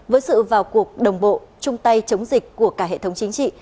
với sự vào cuộc đồng bộ chung tay chống dịch của cả hệ thống chính trị